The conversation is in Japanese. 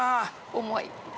重い。